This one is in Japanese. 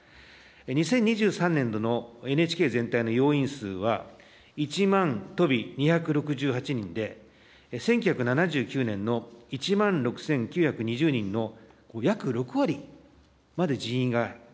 ２０２３年度のＮＨＫ全体の要員数は１万２６８人で、１９７９年の１万６９２０人の約６割まで人員が減っています。